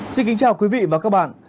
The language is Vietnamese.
xin kính chào quý vị và các bạn